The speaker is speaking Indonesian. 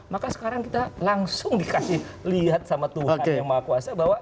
maka sekarang kita langsung dikasih lihat sama tuhan yang maha kuasa bahwa